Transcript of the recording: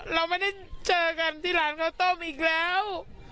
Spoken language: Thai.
เราไม่ได้เจอกันที่ร้านข้าวต้มอีกแล้ว